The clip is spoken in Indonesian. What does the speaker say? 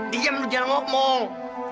diam lu jangan ngomong